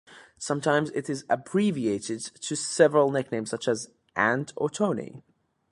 Sometimes it is abbreviated to several nicknames such as Ant or Tony.